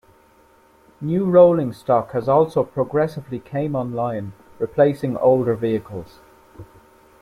New rolling stock has also progressively came on line, replacing older vehicles.